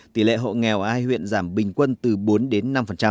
tỷ lệ hộ nghèo hai huyện giảm bình quân từ bốn đến năm